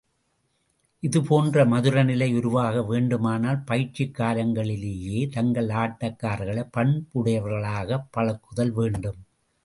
இதுபோன்ற மதுரநிலை உருவாக வேண்டுமானால், பயிற்சிக் காலங்களிலேயே தங்கள் ஆட்டக்காரர்களைப் பண்புடையவர்களாகப் பழக்குதல் வேண்டும்.